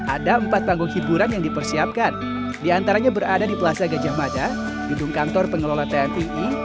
ada empat panggung hiburan yang dipersiapkan diantaranya berada di plaza gajah mada gedung kantor pengelola tmii